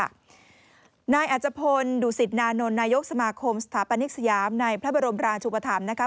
นายอัจพลดุสิตนานนท์นายกสมาคมสถาปนิกสยามในพระบรมราชุปธรรมนะคะ